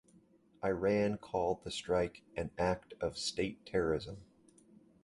Iran called the strike an act of "state terrorism".